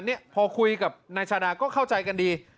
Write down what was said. เนี่ยพอคุยกับนายชาดาก็เข้าใจกันดี